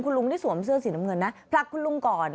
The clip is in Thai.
ลุงไม่ได้สวมเสื้อสีน้ำเงินนะผลักคุณลุงก่อน